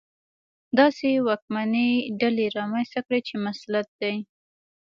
داسې واکمنې ډلې رامنځته کړي چې مسلط دي.